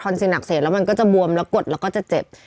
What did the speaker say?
ซีหนักเสร็จแล้วมันก็จะบวมแล้วกดแล้วก็จะเจ็บ